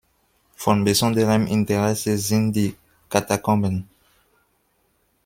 Von besonderem Interesse sind die Katakomben.